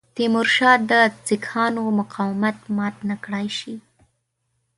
تیمورشاه د سیکهانو مقاومت مات نه کړای شي.